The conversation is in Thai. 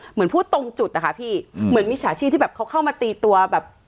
เหมือนพูดตรงจุดนะคะพี่เหมือนมิจฉาชีพที่แบบเขาเข้ามาตีตัวแบบ